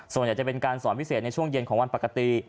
จะเป็นการสอนพิเศษในช่วงเย็นของวันปกติ